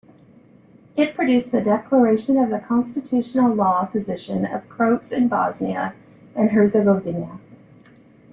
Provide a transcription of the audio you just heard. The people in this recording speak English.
It produced the "Declaration of the constitutional-law position of Croats in Bosnia and Herzegovina".